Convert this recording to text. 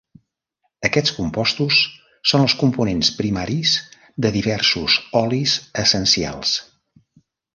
Aquests compostos són els components primaris de diversos olis essencials.